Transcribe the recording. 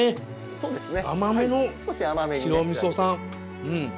そうですね。